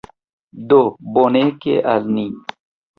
Do bonege al ni.